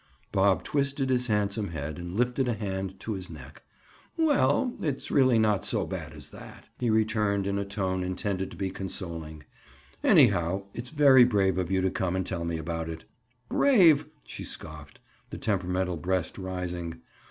Bob twisted his handsome head and lifted a hand to his neck. "Well, it's really not so bad as that," he returned in a tone intended to be consoling. "Anyhow, it's very brave of you to come and tell me about it." "Brave!" she scoffed, the temperamental breast rising.